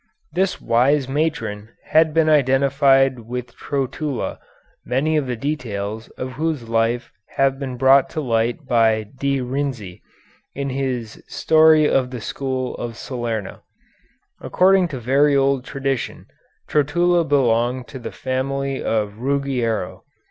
This wise matron has been identified with Trotula, many of the details of whose life have been brought to light by De Renzi, in his "Story of the School of Salerno." According to very old tradition, Trotula belonged to the family of Ruggiero.